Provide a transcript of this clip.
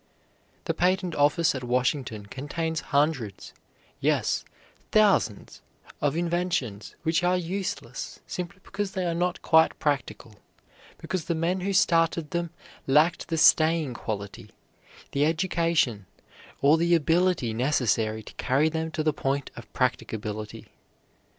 The Patent Office at Washington contains hundreds, yes, thousands, of inventions which are useless simply because they are not quite practical, because the men who started them lacked the staying quality, the education, or the ability necessary to carry them to the point of practicability.